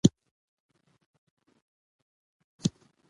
اداري مقررات د شفافو کړنو سبب کېږي.